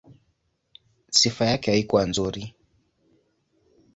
Sifa yake haikuwa nzuri.